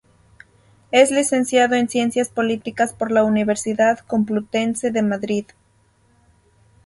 Es licenciado en Ciencias Políticas por la Universidad Complutense de Madrid.